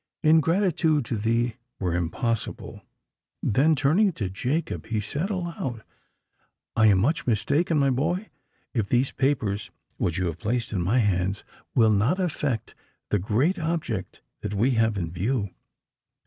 Ingratitude to thee were impossible!"—Then, turning to Jacob, he said aloud, "I am much mistaken, my boy, if these papers which you have placed in my hands will not effect the great object that we have in view."